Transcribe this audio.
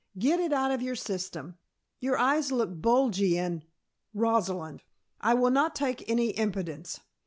"Get it out of your system. Your eyes look bulgy and " "Rosalind! I will not take any impudence.